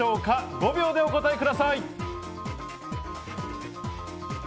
５秒でお答えください。